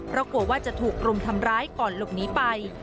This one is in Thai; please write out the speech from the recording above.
เพราะกลัวว่าจะถูกรุมทำร้ายก่อนหลบหนีไป